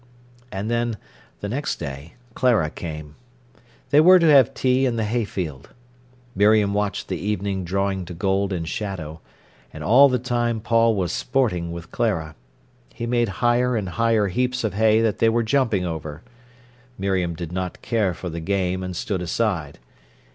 And then, the next day, Clara came. They were to have tea in the hayfield. Miriam watched the evening drawing to gold and shadow. And all the time Paul was sporting with Clara. He made higher and higher heaps of hay that they were jumping over. Miriam did not care for the game, and stood aside.